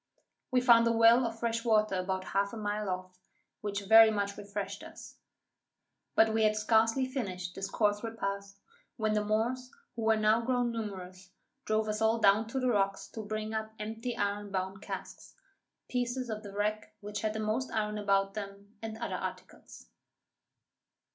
We found a well of fresh water about a half a mile off, which very much refreshed us. But we had scarcely finished this coarse repast, when the Moors, who were now grown numerous, drove us all down to the rocks to bring up empty iron bound casks, pieces of the wreck which had the most iron about them, and other articles.